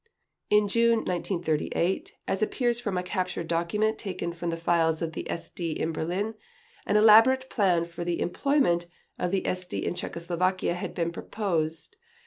In June 1938 as appears from a captured document taken from the files of the SD in Berlin, an elaborate plan for the employment of the SD in Czechoslovakia had been proposed.